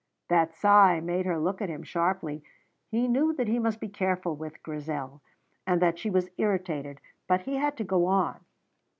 That sigh made her look at him sharply. He knew that he must be careful with Grizel, and that she was irritated, but he had to go on.